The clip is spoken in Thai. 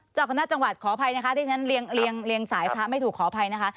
เจ้าคณะจังหวัดขออภัยนะคะที่ฉันเรียงสายพระไม่ถูกขออภัยนะคะ